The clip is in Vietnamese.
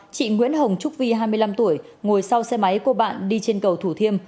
chị nguyễn hồng trúc vi hai mươi năm tuổi ngồi sau xe máy của bạn đi trên cầu thủ thiêm